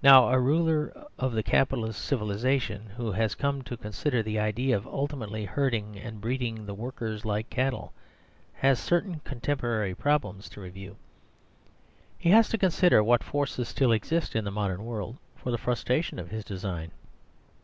Now a ruler of the Capitalist civilisation, who has come to consider the idea of ultimately herding and breeding the workers like cattle, has certain contemporary problems to review. He has to consider what forces still exist in the modern world for the frustration of his design.